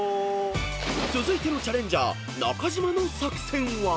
［続いてのチャレンジャー中島の作戦は］